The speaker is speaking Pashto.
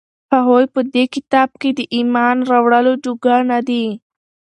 هغوى په دې كتاب د ايمان راوړلو جوگه نه دي،